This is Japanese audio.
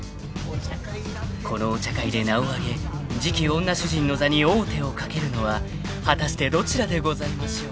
［このお茶会で名を上げ次期女主人の座に王手をかけるのは果たしてどちらでございましょう］